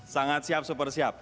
sangat siap super siap